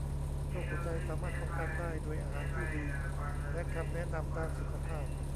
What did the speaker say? โรคหัวใจสามารถป้องกันได้ด้วยอาหารที่ดีและคำแนะนำด้านสุขภาพ